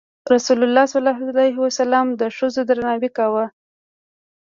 رسول الله د ښځو درناوی کاوه.